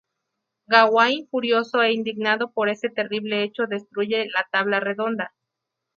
Gawain, furioso e indignado por este terrible hecho, destruye la Tabla Redonda.